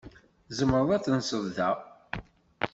Tzemreḍ ad tenseḍ da.